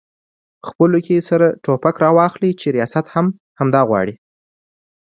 خپلو کې سره ټوپک راواخلي چې ریاست هم همدا غواړي؟